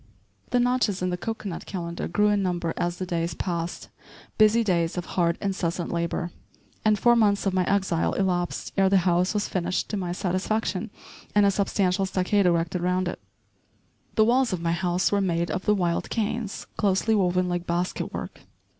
* The notches in the cocoanut calendar grew in number as the days passed, busy days of hard, incessant labor, and four months of my exile elapsed ere the house was finished to my satisfaction and a substantial stockade erected around it. The walls of my house were made of the wild canes closely woven like basket work.